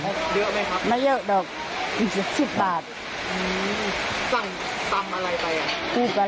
ตีสี่หิ้งมลุกท้าย